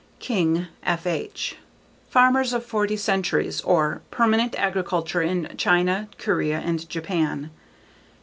King, F.H. _Farmers of Forty Centuries or Permanent Agriculture in China, Korea and Japan.